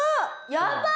やばい。